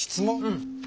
うん。